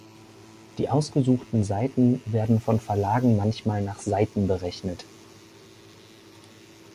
Die ausgetauschten Seiten werden von Verlagen manchmal nach Seiten berechnet.